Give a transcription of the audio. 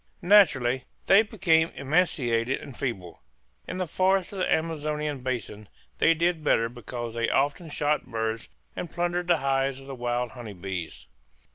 Naturally they became emaciated and feeble. In the forests of the Amazonian basin they did better because they often shot birds and plundered the hives of the wild honey bees.